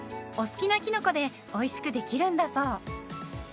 お好きなきのこでおいしくできるんだそう。